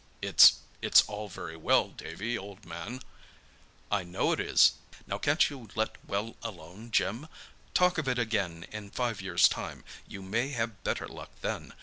"It's—it's all very well, Davy, old man—" "I know it is. Now, can't you let well alone, Jim? Talk of it again in five years' time—you may have better luck then.